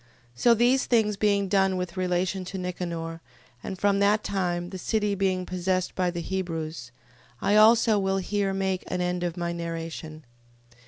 15:38. So these things being done with relation to Nicanor, and from that time the city being possessed by the Hebrews, I also will here make an end of my narration.